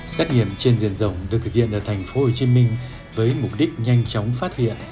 xét nghiệm trên diện rộng được thực hiện ở thành phố hồ chí minh với mục đích nhanh chóng phát hiện